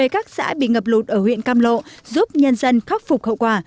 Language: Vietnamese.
các xã bị ngập lụt ở huyện cam lộ giúp nhân dân khắc phục hậu quả